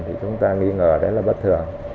thì chúng ta nghĩ ngờ đấy là bất thường